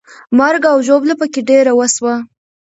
مرګ او ژوبله پکې ډېره وسوه.